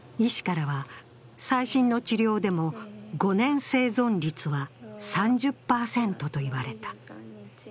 医師からは、最新の治療でも５年生存率は３０％と言われた。